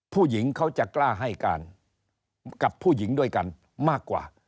ผู้หญิงเขาจะกล้าให้การกับผู้หญิงด้วยกันมากกว่า